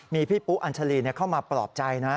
มีพี่ปุ๊อัญชาลีเข้ามาปลอบใจนะ